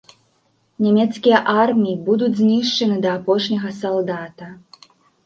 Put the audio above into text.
Нямецкія арміі будуць знішчаны да апошняга салдата.